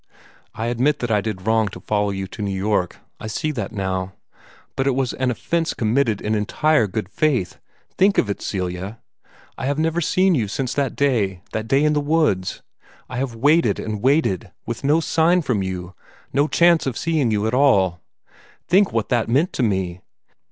"I admit that I did wrong to follow you to New York. I see that now. But it was an offence committed in entire good faith. Think of it, Celia! I have never seen you since that day that day in the woods. I have waited and waited with no sign from you, no chance of seeing you at all. Think what that meant to me!